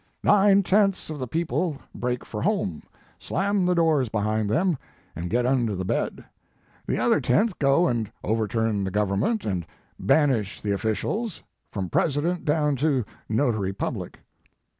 Nine tenths of the people break for home, slam the doors behind them, and get under the bed. The other tenth go and overturn the Government and banish the officials, from president down to notary public.